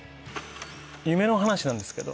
夢の話なんですけど。